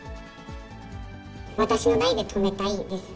私の代で止めたいです。